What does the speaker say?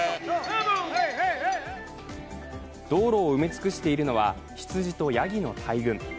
道路を埋め尽くしているのは羊とやぎの大群。